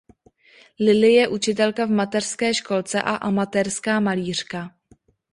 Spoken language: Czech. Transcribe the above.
Lily je učitelka v mateřské školce a amatérská malířka.